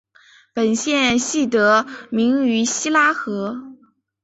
本县系得名于希拉河。